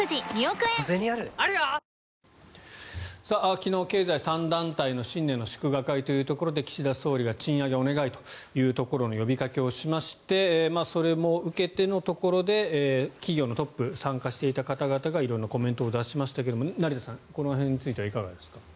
昨日、経済３団体の新年祝賀会というところで岸田総理が賃上げお願いというところの呼びかけをしましてそれを受けてのところで企業のトップ参加していた方々が色んなコメントを出しましたが成田さん、この辺についてはいかがですか？